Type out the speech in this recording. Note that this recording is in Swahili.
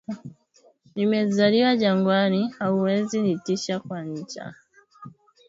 nime zaliwa jangwani hauwezi nitisha kwa nja